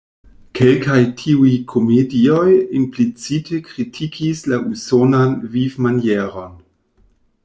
Kelkaj tiuj komedioj implicite kritikis la usonan vivmanieron.